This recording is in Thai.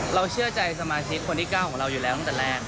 เชื่อใจสมาชิกคนที่๙ของเราอยู่แล้วตั้งแต่แรก